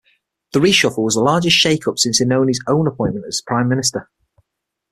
The reshuffle was the largest shakeup since Inoni's own appointment as Prime Minister.